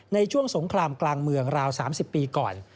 ในช่วงสงครามกลางเมืองราว๓๐ปีก่อน